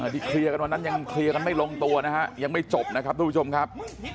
ตอนนั้นยังเคลียร์กันไม่ลงตัวนะยังไม่จบนะครับทุกผู้ชมครับ